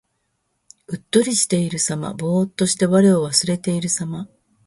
うっとりしているさま。ぼうっとして我を忘れているさま。